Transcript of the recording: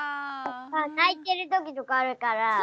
ないてるときとかあるから。